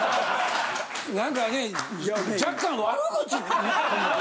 何かね若干悪口。